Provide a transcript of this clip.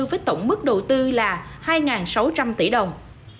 với tổng mức đầu tư là hai sáu trăm linh tỷ đồng